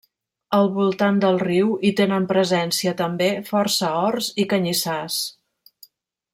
Al voltant del riu hi tenen presència també força horts i canyissars.